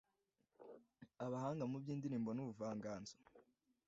abahanga mu by’indirimbo n’ubuvanganzo